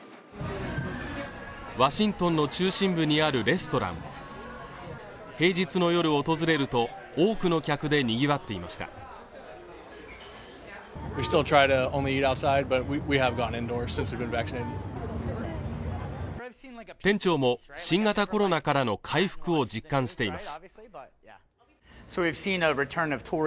ワシントンの中心部にあるレストラン平日の夜訪れると多くの客でにぎわっていました店長も新型コロナからの回復を実感しています